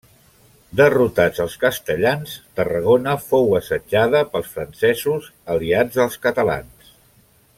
Derrotats els castellans, Tarragona fou assetjada pels francesos aliats dels catalans.